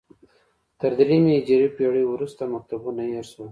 تر درېیمې هجري پېړۍ وروسته مکتبونه هېر شول